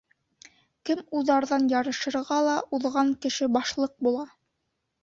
Кем уҙарҙан ярышырға ла, уҙған кеше башлыҡ була.